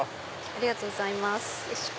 ありがとうございます。